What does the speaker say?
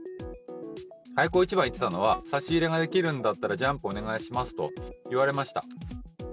開口一番言ってたのは、差し入れができるんだったら、ジャンプをお願いしますと言われました。